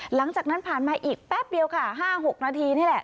หลังจากนั้นผ่านมาอีกแป๊บเดียวค่ะ๕๖นาทีนี่แหละ